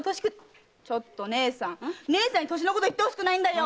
ちょっと義姉さんに年のこと言ってほしくないよ！